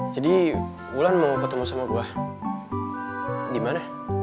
jadi wulan mau ketemu sama gue dimana